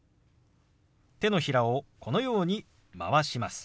手のひらをこのように回します。